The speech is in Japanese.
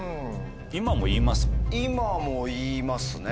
今も言いますね。